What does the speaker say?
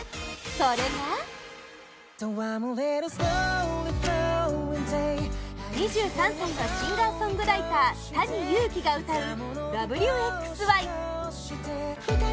それが２３歳のシンガーソングライターＴａｎｉＹｕｕｋｉが歌う「Ｗ／Ｘ／Ｙ」